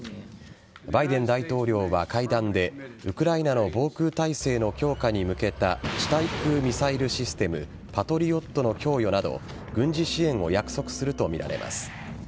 バイデン大統領は会談でウクライナの防空態勢の強化に向けた地対空ミサイルシステムパトリオットの供与など軍事支援を約束すると見られます。